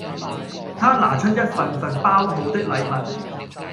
他拿出一份份包好的禮物